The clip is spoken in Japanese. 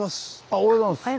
おはようございます。